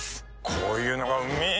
こういうのがうめぇ